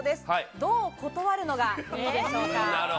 どう断るのがいいでしょうか？